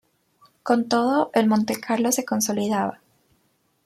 Con todo, el Montecarlo se consolidaba.